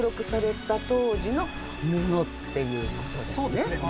そうですね。